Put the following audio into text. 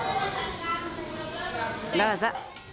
どうぞ。